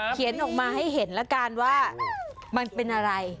เขียนออกมาให้เห็นล่ะกันว่ามันเป็นอะไร